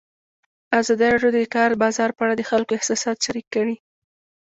ازادي راډیو د د کار بازار په اړه د خلکو احساسات شریک کړي.